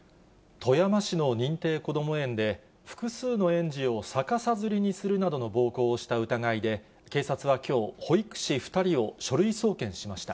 富山市の認定こども園で、複数の園児を逆さづりにするなどの暴行をした疑いで、警察はきょう、保育士２人を書類送検しました。